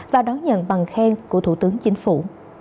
và đón nhận bằng khen của thủ tướng chính phủ